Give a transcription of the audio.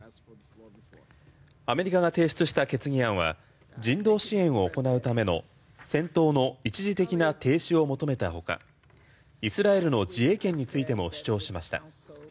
アメリカが提出した決議案は人道支援を行うための戦闘の一時的な停止を求めたほかイスラエルの自衛権についても主張しました。